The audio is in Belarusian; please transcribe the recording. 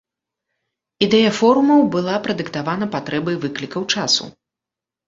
Ідэя форумаў была прадыктавана патрэбай выклікаў часу.